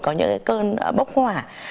có những cơn bốc hỏa